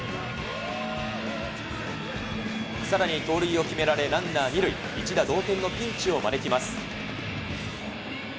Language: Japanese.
さらに盗塁を決められ、ランナー２塁、一打同点のピンチを招きます。